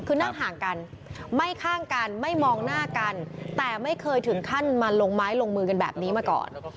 คือนั่งห่างกันไม่ข้างกันไม่มองหน้ากันแต่ไม่เคยถึงขั้นมาลงไม้ลงมือกันแบบนี้มาก่อน